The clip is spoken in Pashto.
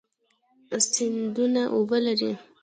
سیندونه اوبه لري.